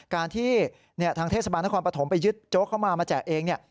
การที่ทางเทศบาลนักความประถมไปยึดโจ๊กเข้ามามาแจกเอง